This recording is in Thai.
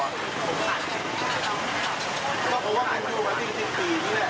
ทรภิกษาภารกิจแบบนี้สร้างแหละ